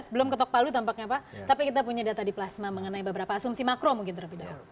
belum ketok palu tampaknya pak tapi kita punya data di plasma mengenai beberapa asumsi makro mungkin terlebih dahulu